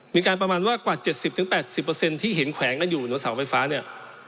ประมาณว่ากว่า๗๐๘๐ที่เห็นแขวงกันอยู่เหนือเสาไฟฟ้าเนี่ย